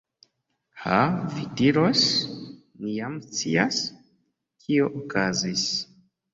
Ha, vi diros, ni jam scias, kio okazis.